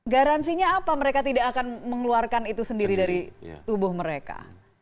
garansinya apa mereka tidak akan mengeluarkan itu sendiri dari tubuh mereka